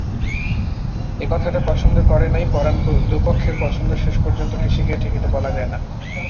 একথাটা পছন্দ করে নাই পরাণ দুপক্ষের পছন্দ শেষপর্যন্ত কিসে গিয়া ঠেকিত বলা যায় না।